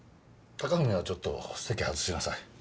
高文はちょっと席外しなさい。